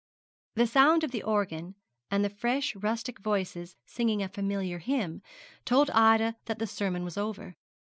The sound of the organ and the fresh rustic voices singing a familiar hymn told Ida that the sermon was over.